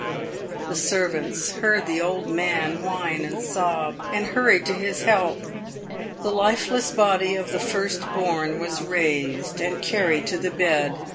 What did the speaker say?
The servants heard the old man whine and sob, and hurried to his help. The lifeless body of the first born was raised and carried to the bed.